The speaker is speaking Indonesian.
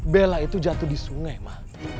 bella itu jatuh di sungai mah